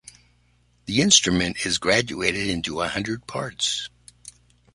The instrument is graduated into a hundred parts.